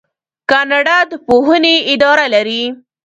کاناډا د پوهنې اداره لري.